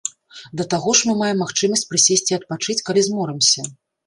Да таго ж маем магчымасць прысесці і адпачыць, калі зморымся.